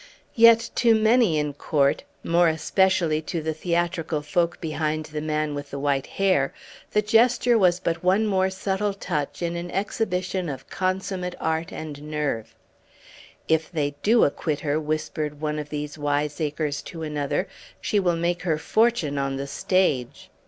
Yet to many in court, more especially to the theatrical folk behind the man with the white hair, the gesture was but one more subtle touch in an exhibition of consummate art and nerve. "If they do acquit her," whispered one of these wiseacres to another, "she will make her fortune on the stage!"